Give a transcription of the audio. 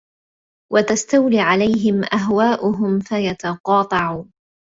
وَتَسْتَوْلِي عَلَيْهِمْ أَهْوَاؤُهُمْ فَيَتَقَاطَعُوا